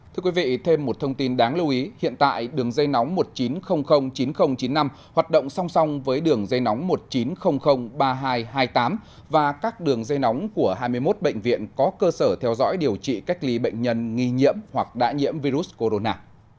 thưa quý vị thêm một thông tin đáng lưu ý hiện tại đường dây nóng một chín không không chín không chín năm hoạt động song song với đường dây nóng một chín không không ba hai hai tám và các đường dây nóng của hai mươi một bệnh viện có cơ sở theo dõi điều trị cách lý bệnh nhân nghi nhiễm hoặc đã nhiễm virus corona